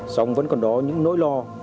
xong vẫn còn đó những nỗi lo